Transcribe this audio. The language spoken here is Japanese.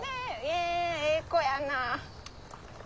えええ子やな。